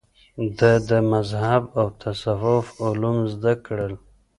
ده د مذهب او تصوف علوم زده کړل